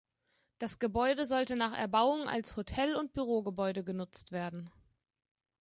Das Gebäude sollte nach Erbauung als Hotel und Bürogebäude genutzt werden.